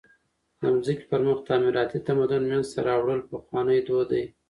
د مځکي پر مخ تعمیراتي تمدن منځ ته راوړل پخوانى دود دئ.